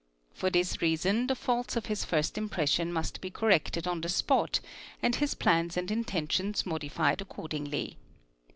For this reason the faults of his first impression must be corrected on the spot and his plans and intentions modified accordingly.